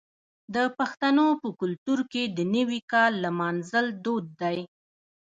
د پښتنو په کلتور کې د نوي کال لمانځل دود دی.